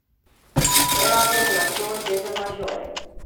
El a formulat două teze majore.